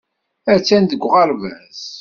Attan deg uɣerbaz.